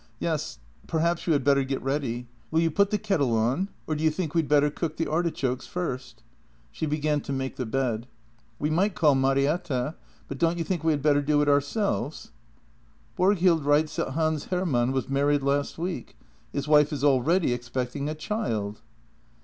" Yes, perhaps you had better get ready. Will you put the kettle on, or do you think we'd better cook the arti chokes first? " She began to make the bed. "We might call Marietta — but don't you think we had better do it ourselves? "" Borghild writes that Hans Hermann was married last week. His wife is already expecting a child."